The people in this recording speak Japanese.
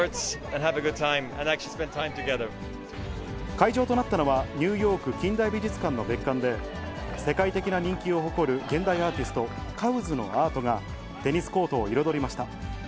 会場となったのは、ニューヨーク近代美術館の別館で、世界的な人気を誇る現代アーティスト、カウズのアートがテニスコートを彩りました。